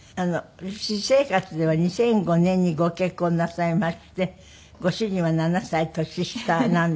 私生活では２００５年にご結婚なさいましてご主人は７歳年下なんだけど。